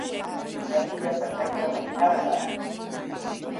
Trakillapa trakraman trarqaa.